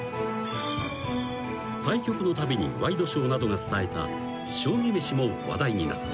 ［対局のたびにワイドショーなどが伝えた将棋めしも話題になった］